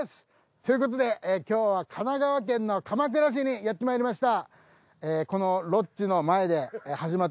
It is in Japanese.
ということで今日は神奈川県の鎌倉市にやってまいりました。